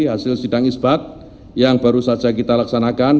hasil sidang isbat yang baru saja kita laksanakan